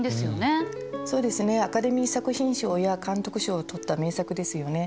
そうですねアカデミー作品賞や監督賞を取った名作ですよね。